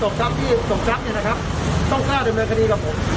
ทรัพย์ที่ตกทรัพย์เนี่ยนะครับต้องกล้าดำเนินคดีกับผม